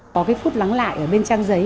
có cái phút lắng lại ở bên trang giấy